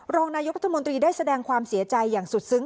รองนายกรัฐมนตรีได้แสดงความเสียใจอย่างสุดซึ้ง